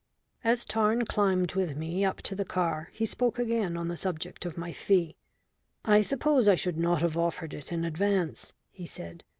As Tarn climbed with me up to the car, he spoke again on the subject of my fee. "I suppose I should not have offered it in advance," he said.